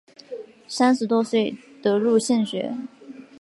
三十多岁得入县学。